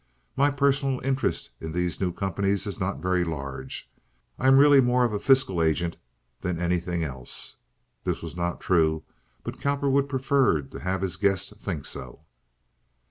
My personal interest in these new companies is not very large. I am really more of a fiscal agent than anything else." (This was not true, but Cowperwood preferred to have his guest think so.)